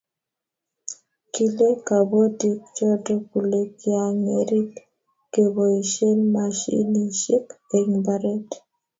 kile kabotik choto kule kiang'erit keboisien mashinisiek eng' mbaret